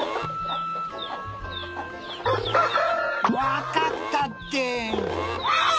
「分かったって！」